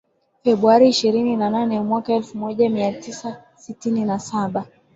Februari ishirini na nane mwaka elfumoja miatisa sitini na Saba